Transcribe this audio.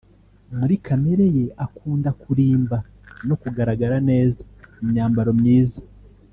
muri kamere ye akunda kurimba no kugaragara neza mu myambaro myiza